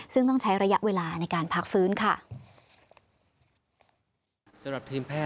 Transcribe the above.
ซึ่งต้องใช้ระยะเวลาในการพักฟื้นค่ะ